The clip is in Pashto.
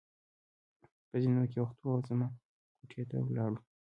په زېنو کې وختو او زما کوټې ته ولاړو.